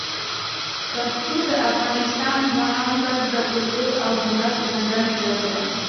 پښتو د افغانستان ځوانانو ته د کلتور او هنر پېژندنې ژبه ده.